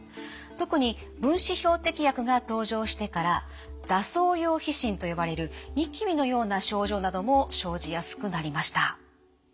特に分子標的薬が登場してからざ瘡様皮疹と呼ばれるにきびのような症状なども生じやすくなりました。